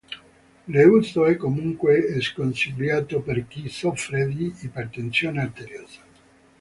L'uso è comunque sconsigliato per chi soffre di ipertensione arteriosa.